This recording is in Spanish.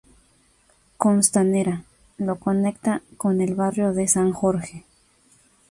Costanera, lo conecta con el barrio de San Jorge.